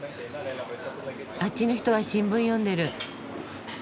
あっちの人は新聞読んでる。